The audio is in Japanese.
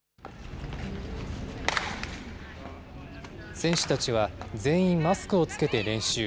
選手たちは全員マスクを着けて練習。